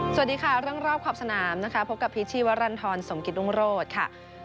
สวัสดีค่ะเรื่องรอบขอบสนามนะคะพบกับพีชชีวรรณฑรสมกิตรุงโรธค่ะ